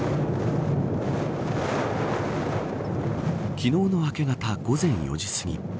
昨日の明け方午前４時すぎ